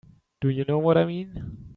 Do you know what I mean?